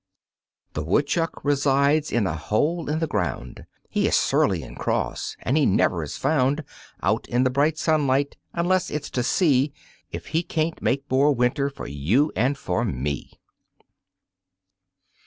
The woodchuck resides in a hole in the ground, He is surly and cross, and he never is found Out in the bright sunlight unless it's to see If he can't make more winter for you and for me.